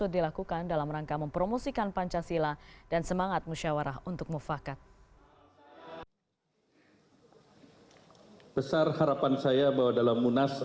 saya memutuskan untuk calling down ketika melihat tensi politik yang makin memanas